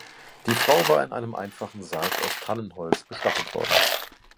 Die Frau war in einem einfachen Sarg aus Tannenholz bestattet worden.